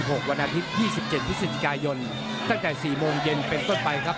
ครับ๒๐๑๖วันอาทิตย์๒๗พฤศจิกายนตั้งแต่๔โมงเย็นเป็นต้นไปครับ